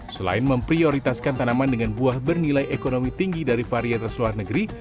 selain memprioritaskan tanaman dengan buah bernilai ekonomi tinggi dari varietas luar negeri